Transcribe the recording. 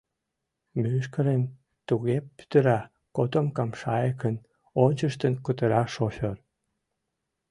Мӱшкырым туге пӱтыра, — котомкам шайыкын ончыштын кутыра шофёр.